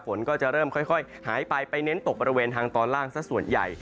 ฝนก็จะเริ่มค่อยหายไปไปเน้นตกบริเวณทางตอนล่างสักส่วนใหญ่